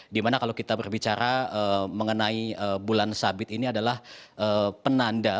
dimana kalau kita berbicara mengenai bulan sabit ini adalah penanda